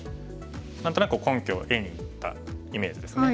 何となく根拠を得にいったイメージですね。